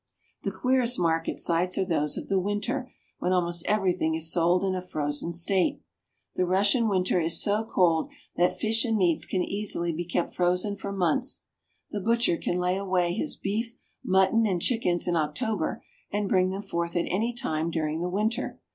The queerest market sights are those of the winter, when almost everything is sold in a frozen state. The Russian winter is so cold that fish and meats can easily be kept frozen for months. The butcher can lay away his beef, mutton, and chickens in October, and bring them forth at any time during the winter.